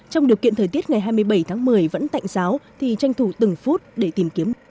trong điều kiện thời tiết ngày hai mươi bảy tháng một mươi vẫn tạnh giáo thì tranh thủ từng phút để tìm kiếm